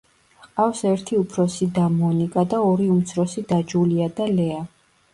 ჰყავს ერთი უფროსი და მონიკა და ორი უმცროსი და ჯულია და ლეა.